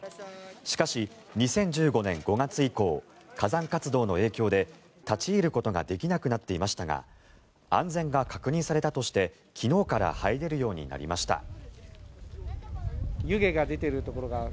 しかし、２０１５年５月以降火山活動の影響で立ち入ることができなくなっていましたが安全が確認されたとして昨日から入れるようになりました。